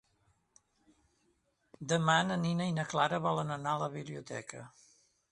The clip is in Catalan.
Demà na Nina i na Clara volen anar a la biblioteca.